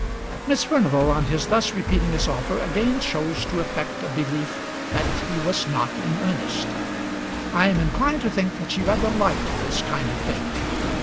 Miss Furnival, on his thus repeating his offer, again chose to affect a belief that he was not in earnest. I am inclined to think that she rather liked this kind of thing.